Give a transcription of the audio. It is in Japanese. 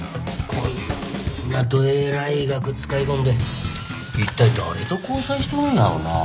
こんなどえらい額使い込んで一体誰と交際しとるんやろうなあ。